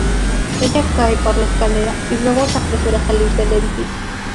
Ella cae por la escalera, y luego se apresura a salir del edificio.